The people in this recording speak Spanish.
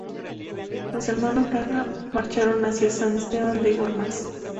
Los hermanos Lara marcharon hacia San Esteban de Gormaz.